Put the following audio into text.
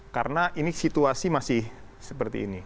karena ini situasi masih seperti ini